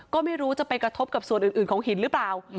ก็ไม่รู้จะไปกระทบกับส่วนอื่นของหินหรือเปล่า